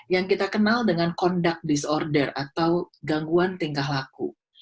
yang kita kenal dengan conduct disorder atau gangguan tingkah laku